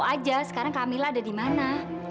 tahu aja sekarang kamila ada dimana